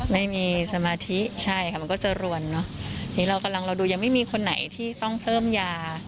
ไม่มีสมาธิใช่ค่ะมันก็จะรวนเนอะนี้เรากำลังเราดูยังไม่มีคนไหนที่ต้องเพิ่มยา